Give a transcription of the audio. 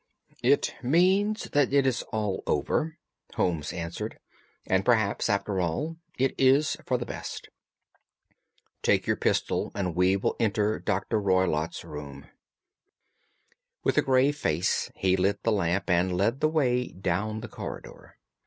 "It means that it is all over," Holmes answered. "And perhaps, after all, it is for the best. Take your pistol, and we will enter Dr. Roylott's room." With a grave face he lit the lamp and led the way down the corridor.